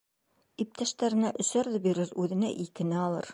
Иптәштәренә өсәрҙе бирер, үҙенә икене алыр.